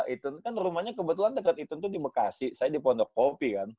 itun kan rumahnya kebetulan dekat itun tuh di bekasi saya di pondok kopi kan